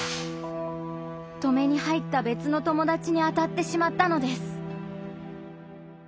止めに入った別の友達に当たってしまったのです。